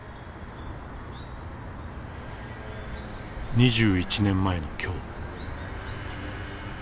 ２１年前の今日。